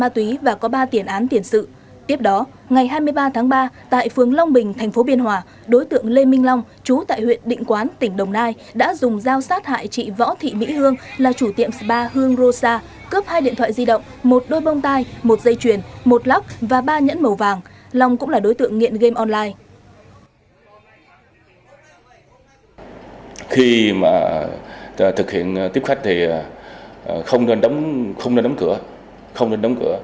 tại phường long bình thành phố biên hòa đối tượng lê minh long chú tại huyện định quán tỉnh đồng nai đã dùng giao sát hại chị võ thị mỹ hương là chủ tiệm spa hương rosa cướp hai điện thoại di động một đôi bông tai một dây chuyền một lóc và ba nhẫn màu vàng long cũng là đối tượng nghiện game online